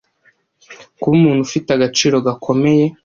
kuba umuntu ufite agaciro gakomeye.